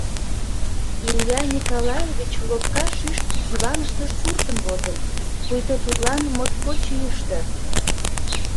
Илья Николаевич лопка шӱштӧ диваныште туртын возын, пуйто тудлан моткоч йӱштӧ.